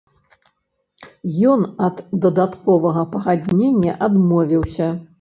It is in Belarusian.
Ён ад дадатковага пагаднення адмовіўся.